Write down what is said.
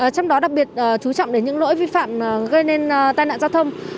trong đó đặc biệt chú trọng đến những lỗi vi phạm gây nên tai nạn giao thông